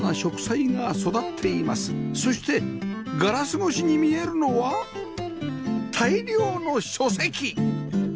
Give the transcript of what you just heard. そしてガラス越しに見えるのは大量の書籍！